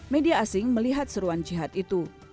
media asing melihat seruan jihad itu